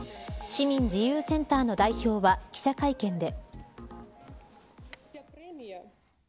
市民自由センターの代表は記者会見で。